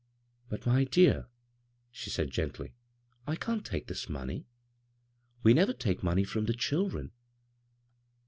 " But, my dear," she said gently, " I can't take this money. We never take money 6rom the children."